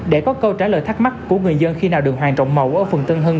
để có câu trả lời thắc mắc của người dân khi nào đường hoàng trọng mậu ở phường tân hưng